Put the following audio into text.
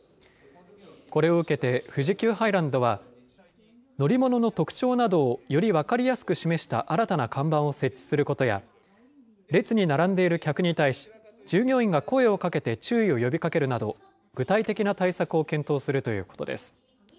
これを受けて、富士急ハイランドは、乗り物の特徴などをより分かりやすく示した新たな看板を設置することや、列に並んでいる客に対し、従業員が声をかけて注意を呼びかけるなど、具体的な対策を検討するということです。